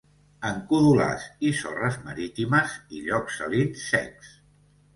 En codolars i sorres marítimes i llocs salins secs.